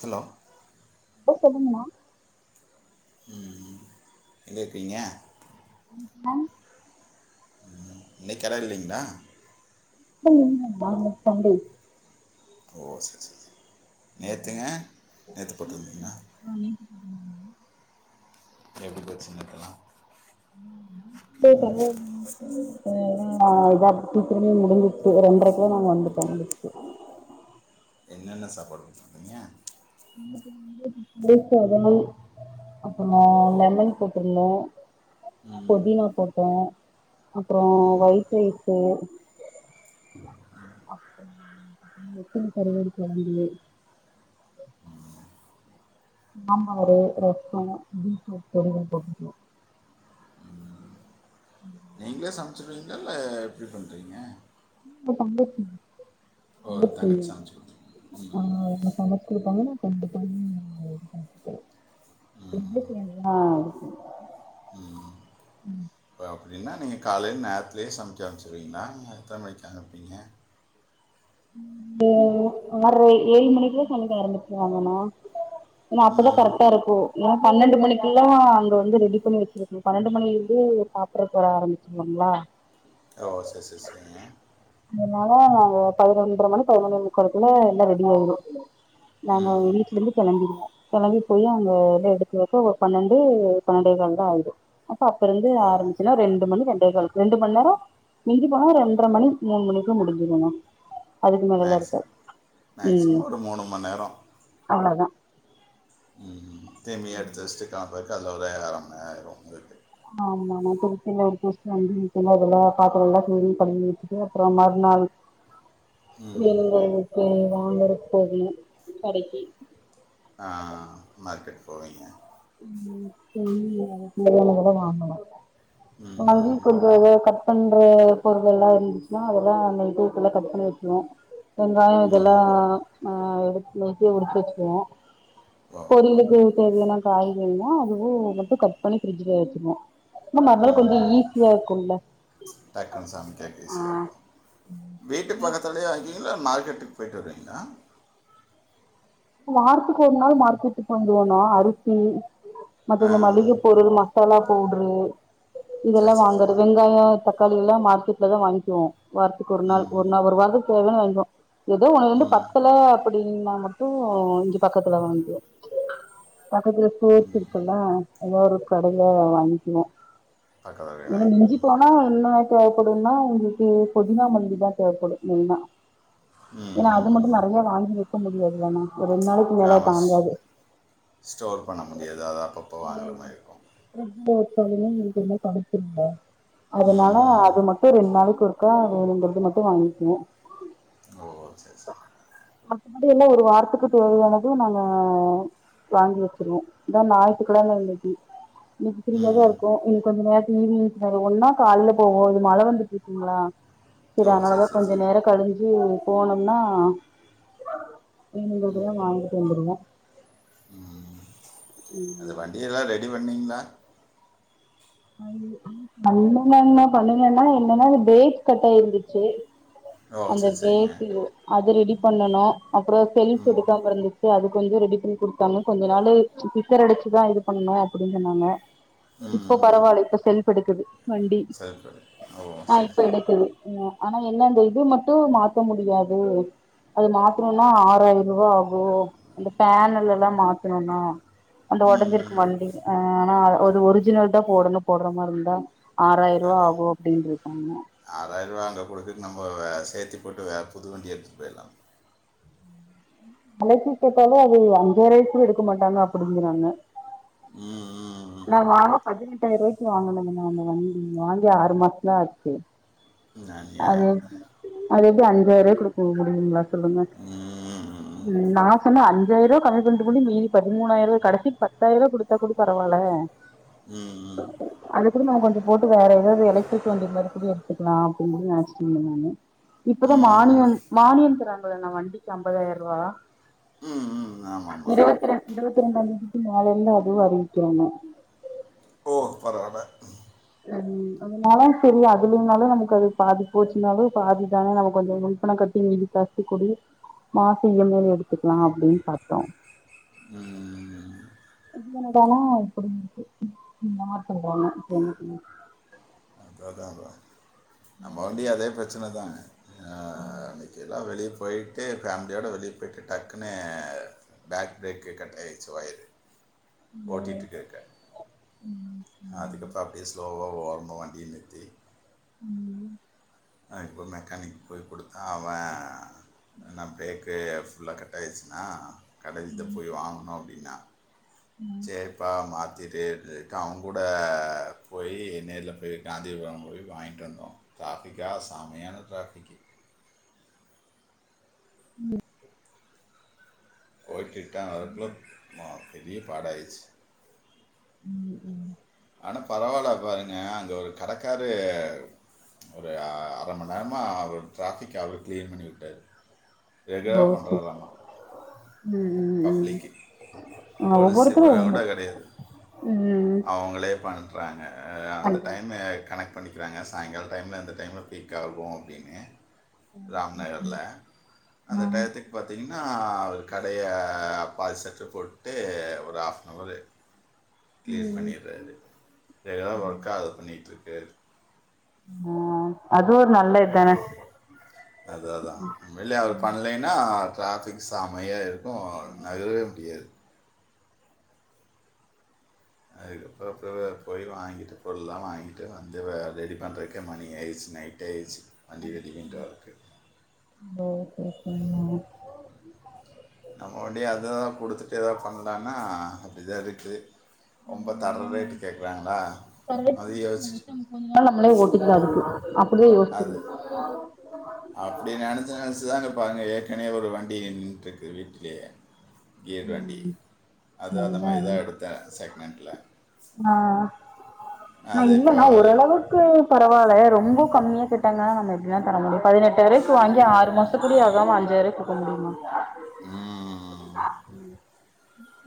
Hello லோ சொல்லுங்கணா ம் எங்க இருக்கிறிங்க [unintelligible] இன்னாக்கி கட இல்லைங்ளா இப்ப இல்லிங்க [inaudible] சண்டே ஓ சரி சரி சரி நேத்துங்க நேத்து போட்டுருந்தீங்ணா எப்டி போச்சு சின்னக்காளா [unintelligible] சீக்கிரமே முடிஞ்ருச்சு ஒரு ரெண்ட்ரைக்ளா நாங்க வந்துட்டோ முடிஞ்ருச்சு என்னென்ன சப்பாடு [unintelligible] ங்கே [unintelligible] அப்புறோ லெமன் போட்ருந்தோ புதினா போட்டே அப்புறோ ஒயிட் ரைஸ்ஸு அப்பே நெத்திலி கருவாடு [unintelligible] நம்ம ஒரூ ரஸ்சோ பீட்ரூட் பொரியல் போட்டுருக்கு ம் நீங்ளே சமச்சிர்வீங்களா இல்ல எப்டி பண்றீங்க இல்ல கண்டிப்பா தங்கச்சி சமைச்சு கொடுத்துருவீங்க [unintelligible] ஆஹ் என்ன சமச்சிருக்காங்கள [unintelligible] என்தெ செய்னோ உம் பாவ் அப்டினா நீங்க காலைல நேர்த்துலே சமெக்கெ ஆரம்பிச்சிர்வீங்ளா எத்தன மணிக்கு அனுப்வீங்க ஆற்ற ஏழு மணிக்குலா சமக்க ஆரம்பிச்சிருவாங்கனா ஏனா அப்பதா ம் கரக்டாருக்கு ஏன் பன்னெண்டு மணிக் எல்லா அங்க வந்து ரெடி பண்ணி வச்சி [unintelligible] பண்ணன்டு மணியில இருந்து சாப்பிறதுக்கு வர ஆரம்பிச்சுருவாங்களா ஓ செரி செரி செரிங்க பதினொன்ர மணி பதினொனே முக்காலுகுல்லா எல்லா ரெடி ஆயிரு நாம வீட்லிந்து கிளம்பிடுவோ கெளம்பி போய் அங்கே எது எடுத்து வக்க ஒரு பன்னெண்டு பன்னன்டேகால் தான் ஆயிடு அப்ப அப்பருந்து ஓ ஆரம்பிச்சுனா ரெண்டு மணிக் ரண்டேகால் ரண்டு மண்நேரொ மிஞ்சி போனா ரெண்ட்ரமணி மூனு மணிக்கு முடின்சிருனா அதுக்கு மேலலா இருக்காது மேக்ஸிமம் உம் மேக்ஸிமம் ஒரு மூணு மணி நேரம் அவ்ளோதான் ம் தேமி அடுத்து வச்சுட்டு காலம் [unintelligible] ஆமா ஆமா திருச்சில ஒரு கோஸ்டி வந்து வீட்ல பாத்திரம் எல்லாம் கிளீன் பண்ணி வச்சிட்டு அப்றோம் மறுநாள் கேளுங்க ஒகே வாங்குறதுக்கு போகணும் கடைக்கு ஆஹ் மார்க்கெட் போவிங்க [unintelligible] கூட வாங்கணும் மணி ம் கொஞ்சோல கட் பண்ற பொருள் எல்லாம் இருந்துச்சுன்னா அதெல்லாம் நைட்டேக்குள்ள கட் பண்ணி வச்சிருவோம் வெங்காயம் ம் இதெல்லாம் ஆஹ் எடுத்து நைட்டு எடுத்து வச்சுருவேன் ஓ பொரியலுக்கு [unintelligible] காய்கறியும் அதுவும் மட்டும் கட் பண்ணி பிரிட்ஜில வச்சுப்போம் உம் உம் டக்குனு சாங் கேக்க ஈசியா ஆ இருக்கும் வீட்டு பக்கத்துலயே அங்கே இல்ல மார்க்கெட்டுக்கு போயிட்டு வருவீங்களா வாரத்துக்கு ஒரு நாள் மார்க்கெட்டுக்கு வந்துருவேனா அரிசி ஆ மத்த அந்த மல்லிகை பொருள் மா சோலா பவுடுரு சரி இங்கெல்லா சரி சரி வாங்குறது வெங்காயோ தக்காளி ல்லா மார்க்கெட்ல தா வாங்கிக்குவோ வாரத்துக்கு ஒரு நாள் ம் ஒரு நாள் ஒரு வாரத்துக்கு தேவையானதை வாங்கிப்போ ஏதோ ஒன்னு ரெண்டு ம் பத்தல அப்படீன்னா மட் அப்போ இங்க பக்கத்துல வாங்கியாச்சு பக்கத்துல ஸ்டோர்ஸ் இருக்குல்ல அங்க ஒரு கடைல வாங்கிக்கனோ பக்கத்துலேயே ஏனா வாங்கிக்கிங்க மிஞ்சிப்போனா [unintelligible] தேவப்படுன்னா உங்குளுக்கு புதினா மல்லி தா தேவப்படோ மெய்னா ம் ஏன்னா அது மட்டோ நறையா வாங்கி வெ வெக்க முடியாது ஏன்னா ஆமாஸ் ஸ்டோர் பண்ண முடியாது அது அப்பப்ப வாங்குற மாரி இருக்கோ சொல்லுங்க நீங்க என்ன படிக்கீறீங்க அதனால ம் ம். அது மட்டோ ரெண்ட் நாளைக் கொக்கா வேணுங்கறது மட்டு வாங்கிக்குவோ ஓ சே சேரி [unintelligible] வாரத்துக்கு தேவையானது நாங்க வாங்கி வச்சருவோ இதா ஞாயித்துக்கெழம இன்னிக்கு இப்ப ஃப்ரீயா ம் தா ம். இருக்கோ இங்க கொஞ்சோ நேர சரி ஒன்னா கால்ல போவோ இங்க மழ வந்துட்டு இருக்குங்ளா சரி ஓ அதனாலதா சரி கொஞ்சோ சரி நேரோ கழிஞ்சு போணும்னா நீ இவங்களோடதெல்லா வாங்கிட்டு வந்திருவ ம் அந்த ம் வண்டியெல்லா ரெடி பண்ணிங்ளா [unintelligible] பண்ணன பண்ணனேன்னா என்னன்னா அது பிரேக் கட்டாயிருந்துச்சு ஓ அந்த சரி சரிங்க பிரேக் அது ரெடி பண்ணனு அப்றோ செல்ப் ம் எடுக்காமருந்துச்சு அது கொஞ்சோ ரெடி பண்ணி கொடுத்தாங்க கொஞ்சோ நாளு கிக்கர் அடைச்சுதா இது பண்ணணு அப்டின்னு சொன்னாங்க ம் இப்ப ம். பரவால்ல இப்ப செல்ப் எடுக்குது வண்டி சரி சரி ஓ அ சரி இப்ப எடுக்குது அ ஆனா என்ன அந்த இது மட்டு மாத்த முடியாது அது மாத்தணுனா ஆறாயிர ரூபா ஆகு அந்த பேனல் எல்லா மாத்தணுனா அந்த ம் உடஞ்சிருக்கு ம். வண்டி ஆ ஆனா ஆ அது ஒரிஜினல் போடணு போட்ற மாரி இருந்தா ஆறாயிர ரூபா ஆகு அப்டின்னு இருக்காங்க [unintelligible] குடுத்துட்டு நம்ம வே சேத்தி போட்டு வேற புதுவண்டி எடுத்துட்டு போயிடலா வெலைக்கு கேட்டாலு அது அஞ்சாயிரூவாய்க்கு கூட எடுக்க மாட்டாங்க அப்டிங்கிறாங்க ம், ம், ம். நா வாங்க பதினெட்டாயிரூவாய்க்கு வாங்கினங்க நா அந்த வாங்கி ஆறு மாசோ தா ஆச்சு ம், அது அநியாயம் அது எப்டி அஞ்சாயிர ரூவாய்க்கு கூட போக முடியுங்களா சொல்லுங்க ம் நா சொன்ன அஞ்சாயிர ரூவா கம்மி பண்ணிட்டு கூடி மீதி பதிமூணாயிர ரூவா கடைசி பத்தாயிர ரூவா கடைசி கூட பரவாயில்ல ம், அது கூட நம்ம கொஞ்சோ போட்டு வேற ஏதாவது எலக்ட்ரிக் வண்டி மாதிரி கூடி எடுத்துக்கலா சொன்ன நானு இப்பதா ம், மானியம் மானியம் தராங்களா அண்ணா வண்டிக்கு ஐம்பதாயிர ரூவா ம், ம், ஆமா ஆமா இருவத் ரெண் இருவத்தி ரெண்டாயிரத்தி மேலிலந்து அதுவு அறிவிக்கிறாங்க ஓ பரவாயில்ல ம் அதனால சேரி அது இல்லைனாலு நமக்கு அது பாதி போச்சுனாலு பாதி தானே நமக்கு கொஞ்சோ முன் பணம் கட்டி மீதி கசி கூடி மாச இ எம் ஐன்னு எடுத்துக்கலா அப்டின்னு பாத்தோ ம், இப்ப என்னடானா இப்டி இருக்கு [unintelligible] ஆ நம்ம வண்டி அதே பிரச்ச பிரச்சனை தாங்க ஆஹ் அன்னைக்கு எல்லா வெளிய போய்ட்டு ஃபேமிலியோடு வெளியே போய்ட்டு டக்குன்னு பேக் பிரேக் கட் ஆயிடுச்சு ஒயரு ஓட்டிட்டு இருக்க அதுக்கப்றோ அப்டியே ஸ்லோ ஓ [unintelligible] எனிதிங்க் ம் அவ இப்போ மெக்கானிக் போய் கொடுத்தா அவ அண்ணா பிரேக்கு ஃபுல்லா கட்டாயிடுச்சுன்னா கடையில தா போய் வாங்கணு அப்டின்னு இன்னா சரிப்பா மா இது இது க அவுங்கூட போய் நேர்ல போய் காந்திபுரோ போய் வாங்ட்டு வந்தோ காஃபி கா சமையான டிராஃபிக்கி ம் ஓகே கா அதுக்குள்ள மா பெரிய பாடாயிர்ச் ம் ம் ஆனா பரவால பாருங்க அங்க ஒரு கடக்காரு ஒரு அர மணி நேரமா அவர் ட்ராஃபிக் அவர் கிளீன் பண்ணி விட்டாாரு ஓஹோ ம் ம் ம் பப்ளிக்கு போலீஸ் ஒவ்வொருதரு இப்போ ஒவ்வோன்னு கூட கிடையாது ம் ம் ம் திட்றாங்க ஆ அந்த பண்றோம் டைம் கனெட் பண்ணிக்கிறாங்க சாயங்காலோ டைம்ல அந்த டைம்ல பீக் ஆகோ அப்படின்னு ராம்நகர்ல அந்த ம் டயத்துக்கு பாத்தீங்கன் நா அவரு கடைய பாதி சட்று போட் இது ஒரு ஆஃப்னவரு கிளியர் ம் பண்ணிறாரு எதா ஒர்க்காவுது இப்ப நேத்து சேரி அ அது நல்ல இதானே அதா அதா உண்மைலே அத பண்லேன்னா ட்ராஃபிக் செமையா இருக் க்கு நகரவே முடியாது அதுக்கப்றோ அப்பவே போய் வாங்கிட்ட பொருள்லா வாங்கிட்டு வந்து வ ரெடி பண்றக்கே மணி ஆயிருச்சி நைட் ஆயிருச்சி அ ம் ஓ ஹோ ஹோ நம்ம முன்னாடியே அதுதா குடுத்துட்டு ஏதாவ் பண்லான்னா அப்டிதா இருக்கு ம் ஆமா தர ரேட் அது யோசிச்சு [unintelligible] கொஞ்ச நாள் நம்மளே ஓட்டிக்கிலா அதுக்கு அப்டியே யோசிச் அப்டி நெனச்சி நெனச்சிதாங்க அங்க ஏற்கனவே ஒரு வண்டி நின்ட்ருக்கு வீட்லயே கியர்வண்டி ம் அது அந்த அதுதான் மாரிதா அது. எடுத்த செகனாண்ட்ல ணா இல்லணா ஓரளவுக்கு பரவா இல்ல ரொம்ப கம்மியா கேட் டாங்கனா நம்ம எப்டிணா தர முடியு பதினெட்டாயிருவாய்க்கி வாங்கி ஆறு மாசொ கூடியு ஆகாம அஞ்சாய்ருவாய்க் குடுக்க முடியுமா ம்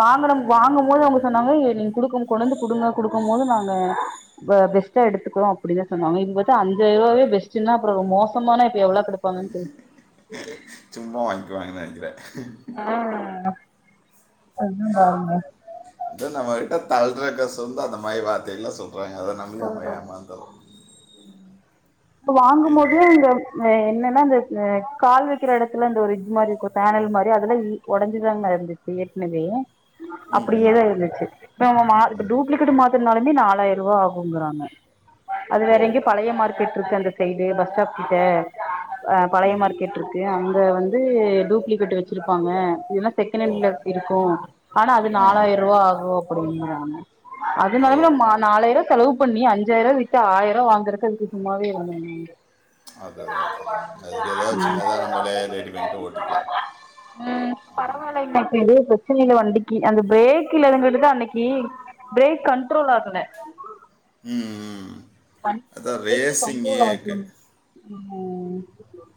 வாங்கணும் அதேதான் வாங்கம் போது அவுங்க சொன்னாங்க இத நீங்க குடுக்கும் கொண்டாந்து குடுங்க குடுக்கம் போது நாங்க ப பெஸ்டா எடுத்துக்குறோ அப்டின்தா சொன்னாங்க இவுங்க வந்து அஞ்சாயிருவாவே பெஸ்ட்டுனா அப்பறோ ரொம் மோசமான இப்ப எவளோ குடு சும்மா வாய்ங்குவாங்கனா [unintelligible] ஆஹ் எதோ நமக்கிட்ட தள் ற காச வந்து அந்த மாரி வார்த்தைல்லா சொல் அ என்ன வாங்கும்போது இங்க அ என்னன் னா அந்த ஆ கால் வெக்கிற எடத்துல அந்த ஒரு இது மாரி இருக்கு பேனல் மாரி அதெல்லா இல் ஒடஞ்சுதாங்க இருந்துச்சி ஏற்க்னவே ம் ம் அப்டியேதா இருந்துச்சு இப்ப ந மா இப்ப ம் டூப்ளிகேட்டு மாத்தனுனாலுமே நால் யிருவா ஆ வுங்குறாங்கா அது வேற ஓ எங்கயு பழைய மார்க்கெட்ருக்கு அந்த சைடு பஸ்டாப் கிட்ட அ பழைய ம் மார்க்கெட்ருக்கு அங் க வந்து டூப்ளிகேட்டு வெச்சிருப்பாங்க ஓ செகனாண்ட்ல இருக்கு ஆனா அது ம் நாலாயிருவா ஆகு அப்டிங்குறாங்க ஓ அதுனாலத ம நாலாயிர செலவு பண்ணி அஞ்சாயிரம் விட்டு ஆயிருவா வாங்குறக்கு அதுக்கு சும்மாவே இருந் அது அதான் அதான் அதுக்கு ஏதாவது சின்னதாக நம்மளே ரெடி பண்ணிட்டு ஓட்டிக்கலாம் உம் பரவலைங்க [unintelligible] பிரச்சனையில வண்டிக்கு அந்த பிரேக் இலதுங்கிறது தான் அன்னைக்கு பிரேக் கண்ட்ரோல் ஆகல உம் உம்ம் [unintelligible] ஆகணும் இருக்குது ம்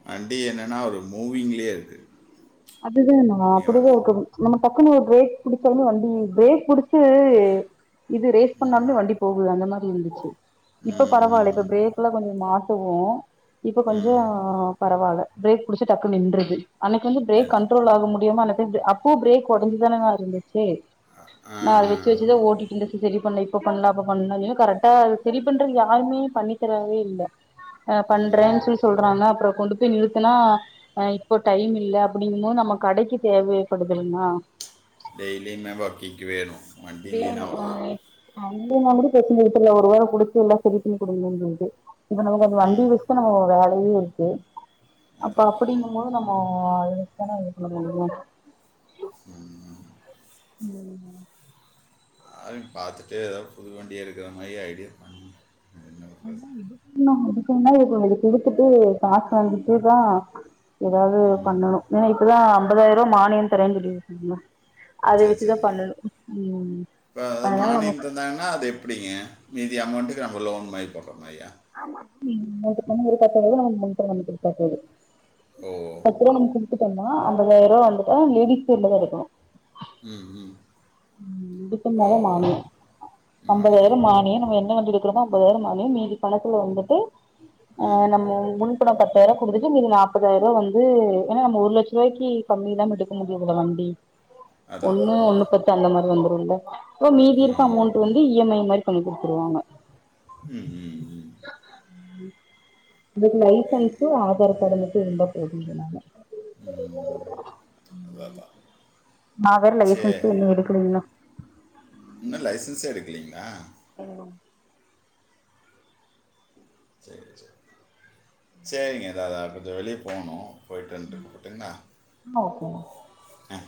வண்டி என்னன்னா ஒரு மூவிங்லயே இருக்கு அதுத நம்ம அப்டியே இருக்கனு டக்குனு ஒரு பிரேக் புடிச்சாலுமே வண்டி பிரேக் புடிச்சு இது ரேஸ் பண்ணாலுமே வண்டி போகுது அந்த மாத் ருந்துச்சு இப்ப ம் பரவாயில்ல இப்ப ம் பிரேக் எல்லாம் கொஞ்சோ நார் [unintelligible] இப்ப கொஞ்சோ ம் பரவால்ல பிரேக் புடிச்ச டக்குனு நின்றுது அன்னைக்கு வந்து என்று கண்ட்ரோல் ஆக முடியுமா [unintelligible] [unintelligible] அப்போ பிரேக் உடஞ்சுதாருந்த சே ஆ நா அத ஆ. வச்சு வச்சுதா ஓட்டிட்ருந்த செரி பண்ண இப்ப பண்லா அப்ப பண்லா [unintelligible] கரெட்டா அது செரி பண்றது யாருமே பண்ணித்தரவே இல்ல ஆ ம் ம் பண்றேன் சொல்லி சொல்றாங்க அப்றோ கொண்டு போய் நிறுத்துனா அ இப்போ டைம் இல்ல அப்டிங்கும்போ நம்ம கடைக்கி தேவைப்படுதுல்லனா டெய்லியுமே வர்க்கிங்க்கு வேணு வேணு‌ [inaudible] [unintelligible] இப்ப நமக்கு அந்த வண்டி ம் வச்சு [unintelligible] [unintelligible] இருக்கு அப்ப அதான் அதான், அதான் அப்புடின்னும் போது நம்மோ அது [unintelligible] இது பண்ண முடியு ம் உம் [unintelligible] பாத்துட்டு எதாவு புது வண்டியாருக்குற மாரி ஐடியா என்ன பண்ணுறது [unintelligible] இது குடுத்துட்டு காசு வாங்கிட்டு தா ஏதாவுது ம் பண்ணணு ஏனா இப்பதா அம்பதாயிரோ மானியொ தரேன் சொல்லி [unintelligible] சேர் சேரிங்க ம் ப அதனால நம்ம மானியம் தந்தாங்கன்னா அது எப்புடிங்க மீதி அமௌண்ட்டு [unintelligible] லோன் மாரி [unintelligible] ஆம்மா நீங்க சென்ன மேரி பாத்தாதா ஓ [unintelligible] அப்றோ நம்ப குடுத்துட் ட்டம்னா அம்பதாயருவா வந்துட்டு லேடிஸ் பேர்ல தா இருக்குனு ம் ம் ம் இது பண்ணா ஓ தா மானிய மானியம் அம்பதாயிர மானிய நம்ம என்ன வண்டி வச் க்றமோ அம்பதாயிர மானிய மீதி பணத்துல வந்துட்டு ம் அ நம்ம முழு இப்ப நா பத்தாயரோ குடுத்துட்டு மீதி நாப்பதாயருவா வந்து ஏன்னா நம்ம ஒரு லட்சருவாய்க்கி கம்மியில்லாம எடுக்க முடியாதுல்ல வண்டி அதா அதா அதா அதா து மாரி வந்துருல்ல போ மீதி இருக்க அமௌண்ட்டு வந்து இ எம் ஐ மாரி பண்ணி குடுத்துருவாங்க ம் ம் ம் இதுக்கு லைசன்ஸ்சு ஆதார் காடு மட்டு இருந்தா போதுனு சொன்னாங்க ம் அதா அதா நா வேற லைசென்ஸே இன்னு எடுக்கலிங்களா இன்னு லைசன்ஸே எடுக்லிங்ளா ம் சேரி சேரி சேரிங்க இதா தா கொஞ்ச வெளியே போணு போய்ட்டு வன்ட்டு கூப்புட்டுங்களா உஹம் அ